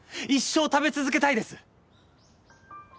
一生食べ続けたいです！